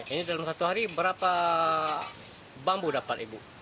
ini dalam satu hari berapa bambu dapat ibu